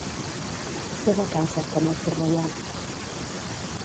Ser de casa, com el forrellat.